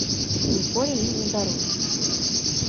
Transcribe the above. І ніколі ім не даруюць.